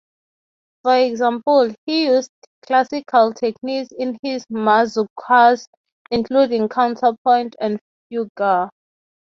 For example, he used classical techniques in his mazurkas, including counterpoint and fugue.